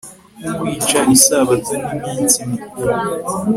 kwica isabato n'iminsi mikuru